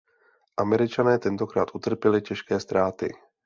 Američané tentokrát utrpěli těžké ztráty.